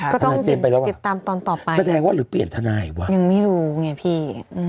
ก็ต้องติดตามตอนต่อไปแสดงว่าหรือเปลี่ยนทนายอีกวะยังไม่รู้ไงพี่